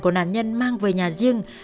của nạn nhân mang về nhà riêng